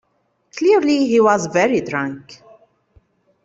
Clearly he was very drunk.